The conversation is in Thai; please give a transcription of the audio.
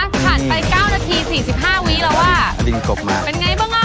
ผ่านไปเก้านาทีสี่สิบห้าวิแล้วอ่ะลิงกบมาเป็นไงบ้างอ่ะ